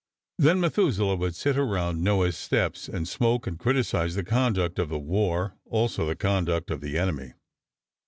Then Methuselah would sit around Noah's steps, and smoke and criticise the conduct of the war, also the conduct of the enemy.